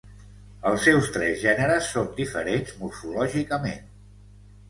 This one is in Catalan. Els seus tres gèneres són diferents morfològicament.